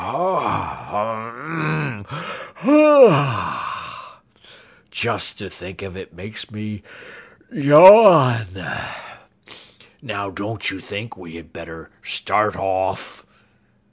"Hah, hoh, hum! Just to think of it makes me yawn. Now don't you think we had better start off?"